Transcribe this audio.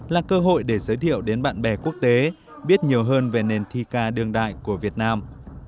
là cơ hội để giới thiệu đến bạn bè quốc tế biết nhiều hơn về nền thi ca đường đại của việt nam